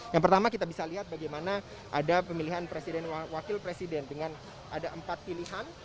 yang pertama kita bisa lihat bagaimana ada pemilihan presiden wakil presiden dengan ada empat pilihan